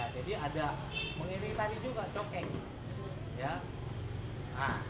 jadi ada pengiring tari juga cokek